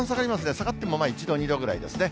下がっても１度、２度ぐらいですね。